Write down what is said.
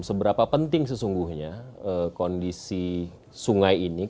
seberapa penting sesungguhnya kondisi sungai ini